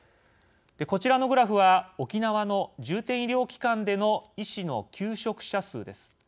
こちらのグラフは沖縄の重点医療機関での医師の休職者数です。